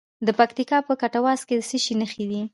د پکتیکا په کټواز کې د څه شي نښې دي؟